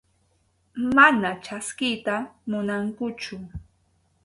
Mana chaskiyta munankuchu.